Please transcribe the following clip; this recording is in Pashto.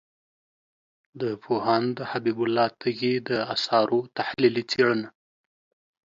د پوهاند حبیب الله تږي د آثارو تحلیلي څېړنه